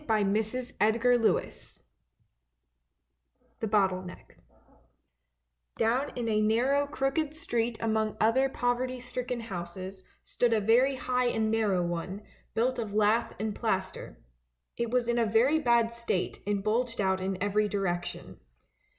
■■ ^yz > III '■■• THE BOTTLE = NECK# DOWN in a narrow crooked street among other poverty stricken houses, stood a very high and narrow one, built of lath and plaster; it was in a very bad state and bulged out in every direction.